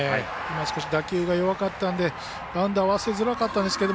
少し打球が弱かったんでバウンドを合わせづらかったんですけど